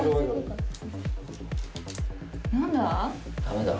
何だ？